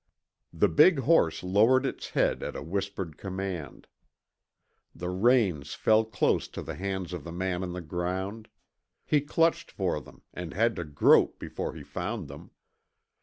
The big horse lowered its head at a whispered command. The reins fell close to the hands of the man on the ground. He clutched for them and had to grope before he found them.